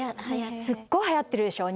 すっごい流行ってるでしょ